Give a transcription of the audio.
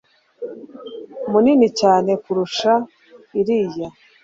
minini cyane kurusha iriya